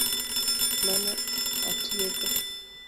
Mano atieko